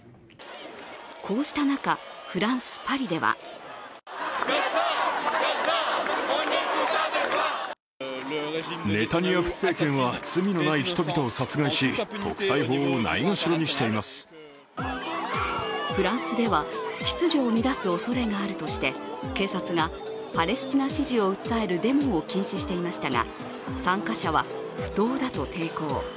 こうした中、フランス・パリではフランスでは秩序を乱すおそれがあるとして警察がパレスチナ支持を訴えるデモを禁止していましたが参加者は、不当だと抵抗。